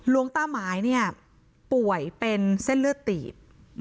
ลวงต้าไม้เนี่ยป่วยเป็นเส้นเลือดตีด